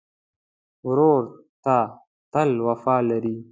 ورور ته تل وفا لرې.